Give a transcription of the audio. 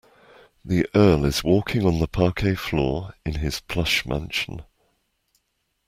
The earl is walking on the parquet floor in his plush mansion.